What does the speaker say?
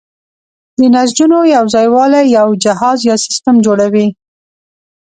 د نسجونو یوځای والی یو جهاز یا سیستم جوړوي.